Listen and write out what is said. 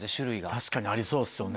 確かにありそうですよね。